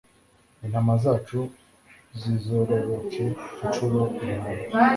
Intama zacu zizororoke incuro ibihumbi